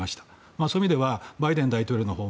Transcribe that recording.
そういう意味ではバイデン大統領の訪問